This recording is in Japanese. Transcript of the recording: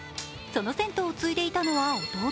その銭湯を継いでいたのは弟。